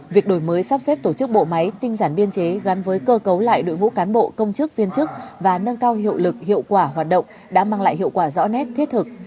việc đổi mới sắp xếp tổ chức bộ máy tinh giản biên chế gắn với cơ cấu lại đội ngũ cán bộ công chức viên chức và nâng cao hiệu lực hiệu quả hoạt động đã mang lại hiệu quả rõ nét thiết thực